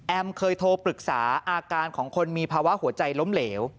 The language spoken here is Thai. เคยโทรปรึกษาอาการของคนมีภาวะหัวใจล้มเหลว